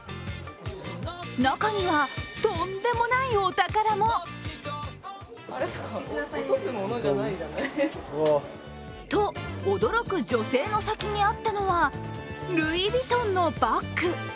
中には、とんでもないお宝も。と驚く女性の先にあったのはルイ・ヴィトンのバッグ。